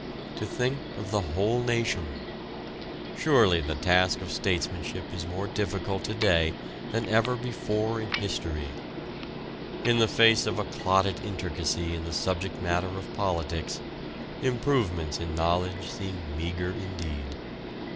To think of the whole nation: surely the task of statesmanship is more difficult to day than ever before in history. In the face of a clotted intricacy in the subject matter of politics, improvements in knowledge seem meager indeed.